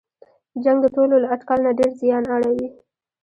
جنګ د ټولو له اټکل نه ډېر زیان اړوي.